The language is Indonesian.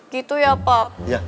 gitu ya pak